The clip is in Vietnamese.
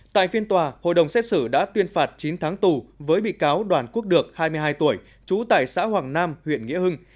tại phiên tòa hội đồng xét xử đã tuyên phạt chín tháng tù với bị cáo đoàn quốc được hai mươi hai tuổi trú tại xã hoàng nam huyện nghĩa hưng